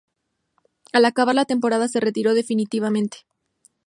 Al acabar la temporada se retiró definitivamente.